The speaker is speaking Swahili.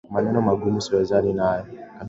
Maneno magumu siwezani nayo